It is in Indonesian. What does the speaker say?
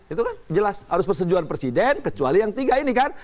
itu kan jelas harus persetujuan presiden kecuali yang tiga ini kan